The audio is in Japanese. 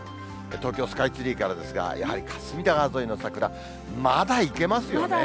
東京スカイツリーからですが、やはり隅田川沿いの桜、まだいけますよね。